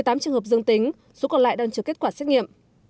một mươi tám trường hợp dương tính số còn lại đang chờ kết quả xét nghiệm